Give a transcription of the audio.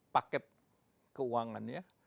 paket keuangan ya